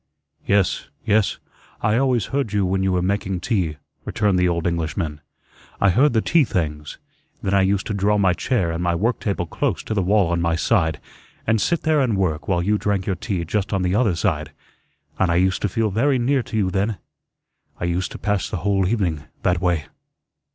"Yes, yes, I always heard you when you were making tea," returned the old Englishman; "I heard the tea things. Then I used to draw my chair and my work table close to the wall on my side, and sit there and work while you drank your tea just on the other side; and I used to feel very near to you then. I used to pass the whole evening that way."